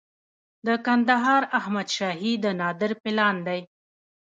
د کندهار احمد شاهي د نادر پلان دی